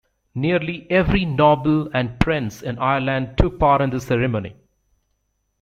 Nearly every noble and Prince in Ireland took part in the ceremony.